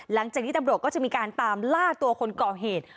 หลังจากนี้ตำรวจก็จะมีการตามล่าตัวคนก่อเหตุ